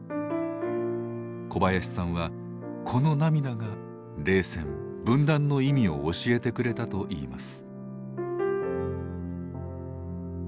小林さんはこの涙が冷戦分断の意味を教えてくれたといいます。